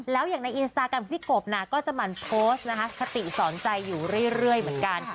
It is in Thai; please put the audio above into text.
แล้วอย่างในอินสตาแกรมของพี่กบก็จะหมั่นโพสต์นะคะคติสอนใจอยู่เรื่อยเหมือนกัน